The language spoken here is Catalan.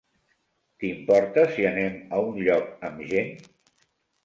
T'importa si anem a un lloc amb gent?